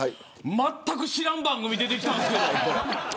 全く知らん番組出てきたんですけど。